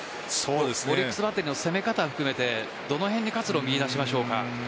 オリックスバッテリーの攻め方を含めてどの辺に活路を見いだしましょうか。